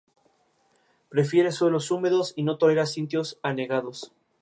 Prefiere suelos húmedos y no tolera sitios anegados.